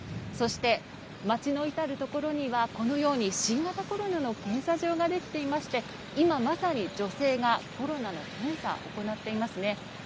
そして、町の至る所には、このように新型コロナの検査場ができていまして今まさに、女性がコロナの検査行っていますね。